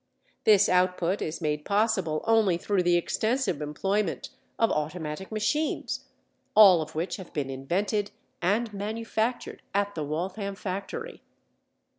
This output is made possible only through the extensive employment of automatic machines, all of which have been invented and manufactured at the Waltham factory.